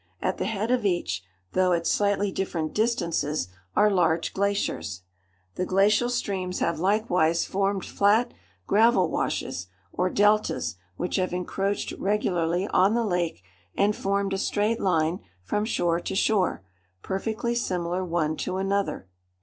At the head of each, though at slightly different distances, are large glaciers. The glacial streams have likewise formed flat gravel washes, or deltas, which have encroached regularly on the lake and formed a straight line from shore to shore, perfectly similar one to another.